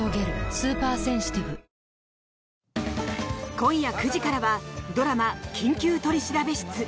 今夜９時からはドラマ「緊急取調室」。